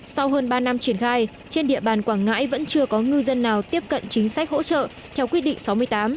sau hơn ba năm triển khai trên địa bàn quảng ngãi vẫn chưa có ngư dân nào tiếp cận chính sách hỗ trợ theo quyết định sáu mươi tám